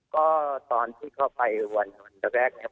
ก็ตอนที่เข้าไปวันแรก